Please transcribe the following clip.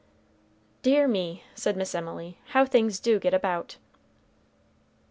"Dear me," said Miss Emily, "how things do get about!"